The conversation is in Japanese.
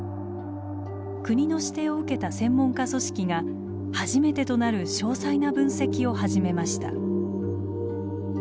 国の指定を受けた専門家組織が初めてとなる詳細な分析を始めました。